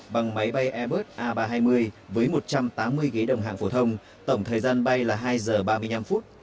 bằng máy bay airbus a ba trăm hai mươi với một trăm tám mươi ghế đồng hàng phổ thông tổng thời gian bay là hai giờ ba mươi năm phút